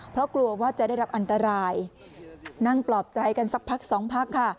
เพราะกลัวว่าจะได้รับอันตรายนั่งปลอบใจกันสักพักสองพักค่ะ